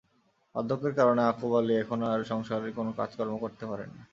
বার্ধ্যকের কারণে আকুব আলী এখন আর সংসারের কোনো কাজকর্ম করতে পারেন না।